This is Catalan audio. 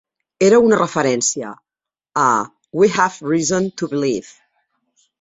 Era una referència a "We Have Reason to Believe".